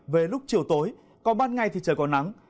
về lúc chiều tối có ban ngày thì trời có nắng